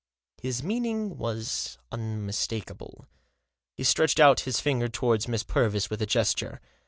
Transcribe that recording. His meaning was unmistakable. He stretched out his finger towards Miss Purvis with a gesture.